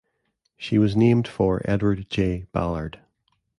She was named for Edward J. Ballard.